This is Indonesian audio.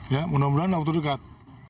ya mudah mudahan waktu dekat